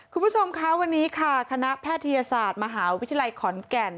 คุณผู้ชมคะวันนี้ค่ะคณะแพทยศาสตร์มหาวิทยาลัยขอนแก่น